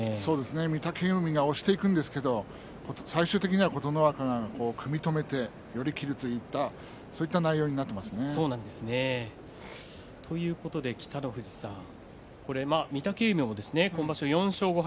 御嶽海が押していくんですが最終的には琴ノ若が組み止めて寄り切るといったそういう内容になっていますね。ということで北の富士さん御嶽海も今場所４勝５敗。